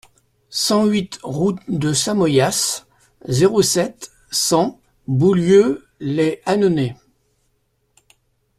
cent huit route de Samoyas, zéro sept, cent, Boulieu-lès-Annonay